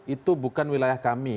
itu bukan wilayah kami